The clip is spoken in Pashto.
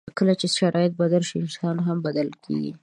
کله چې شرایط بدل شي، انسان هم بدل کېږي.